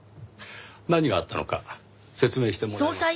何があったのか説明してもらえますか？